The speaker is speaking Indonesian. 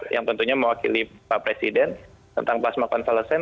yang tentunya mewakili pak presiden tentang plasma pasmakan falesen